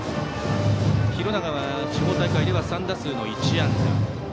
廣長は地方大会では３打数の１安打。